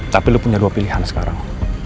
tapi lo punya dua pilihan sekarang